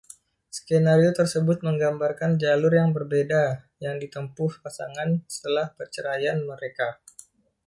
Skenario tersebut menggambarkan jalur yang berbeda yang ditempuh pasangan setelah perceraian mereka.